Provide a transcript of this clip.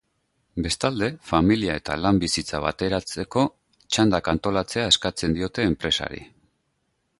Bestalde, familia eta lan-bizitza bateratzeko txandak antolatzea eskatzen diote enpresari.